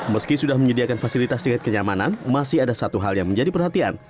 meski sudah menyediakan fasilitas tingkat kenyamanan masih ada satu hal yang menjadi perhatian